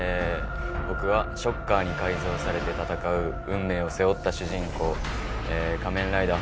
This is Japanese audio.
僕はショッカーに改造されて戦う運命を背負った主人公仮面ライダー